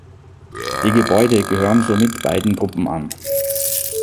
Die Gebäude gehören somit beiden Gruppen an.